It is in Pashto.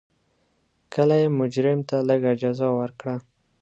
کله یې مجرم ته لږه جزا ورکړه.